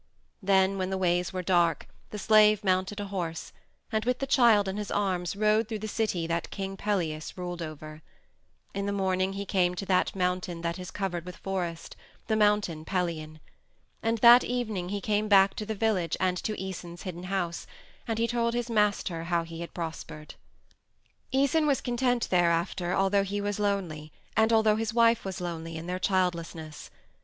Then when the ways were dark the slave mounted a horse, and, with the child in his arms, rode through the city that King Pelias ruled over. In the morning he came to that mountain that is all covered with forest, the Mountain Pelion. And that evening he came back to the village and to Æson's hidden house, and he told his master how he had prospered. Æson was content thereafter although he was lonely and although his wife was lonely in their childlessness.